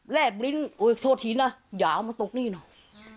แร่บลิ้นโอ๊ยโทษทีนะอย่าเอามาตกนี่หน่อย